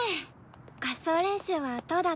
合奏練習はどうだった？